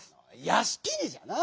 「やしきに」じゃな。